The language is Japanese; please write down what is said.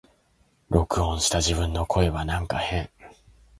録音した自分の声はなんか変